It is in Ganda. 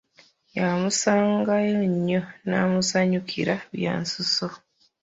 Yamusangayo nnyo n'amusanyukira bya nsuso.